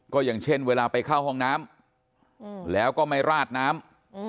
ก็อย่างเช่นเวลาไปเข้าห้องน้ำแล้วก็ไม่ราดน้ำ